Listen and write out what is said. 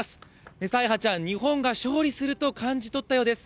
メサイハちゃん、日本が勝利すると感じ取ったようです。